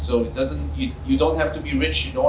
jadi tidak perlu berburu bukan berburu bukan berburu